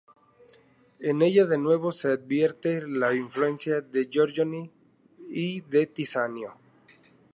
En ella, de nuevo, se advierte la influencia de Giorgione y de Tiziano.